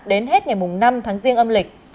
đến hết ngày năm tháng riêng âm lịch